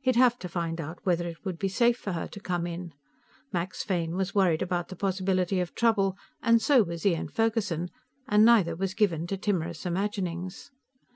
He'd have to find out whether it would be safe for her to come in. Max Fane was worried about the possibility of trouble, and so was Ian Ferguson, and neither was given to timorous imaginings.